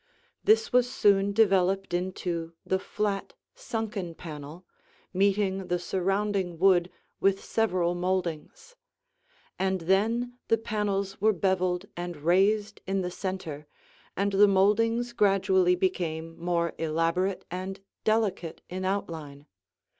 This was soon developed into the flat sunken panel, meeting the surrounding wood with several moldings; and then the panels were beveled and raised in the center, and the moldings gradually became more elaborate and delicate in outline.